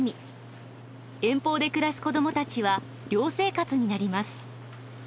遠方で暮らす子どもたちは寮生活になります。